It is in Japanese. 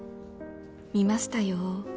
「見ましたよ」